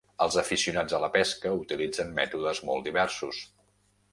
Els aficionats a la pesca utilitzen mètodes molt diversos.